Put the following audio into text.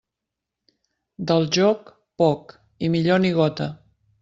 Del joc, poc, i millor ni gota.